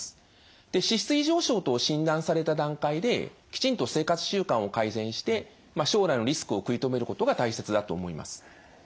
脂質異常症と診断された段階できちんと生活習慣を改善して将来のリスクを食い止めることが大切だと思います。